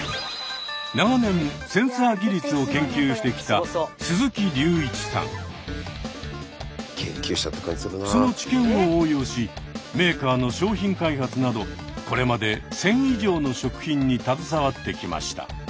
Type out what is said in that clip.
長年センサー技術を研究してきたその知見を応用しメーカーの商品開発などこれまで１，０００以上の食品に携わってきました。